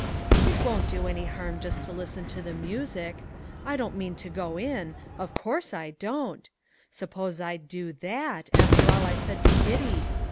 "It won't do any harm just to listen to the music. I don't mean to go in of course I don't! Suppose I'd do that, after all I said to Kitty!